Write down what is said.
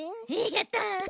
やった！